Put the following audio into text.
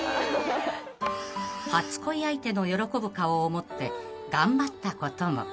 ［初恋相手の喜ぶ顔を思って頑張ったことも］